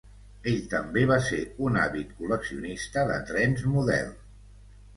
Ell també va ser un àvid col·leccionista de trens model.